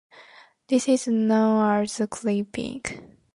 This is known as clipping.